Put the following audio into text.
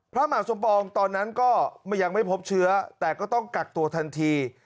พระมหาสมปองตอนนั้นก็ยังไม่พบเชื้อแต่ก็ต้องกักตัวทันที